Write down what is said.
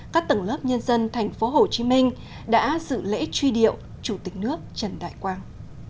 các tầng lớp nhân dân tp hcm đã dự lễ truy điệu chủ tịch nước trần đại quang